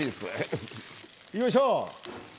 よいしょ！